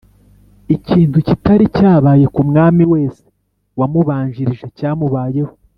Ikintu kitari cyabaye ku mwami wese wamubanjirije, cyamubayeho